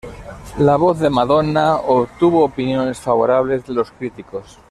La voz de Madonna obtuvo opiniones favorables de los críticos.